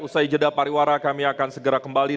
usai jeda pariwara kami akan segera kembali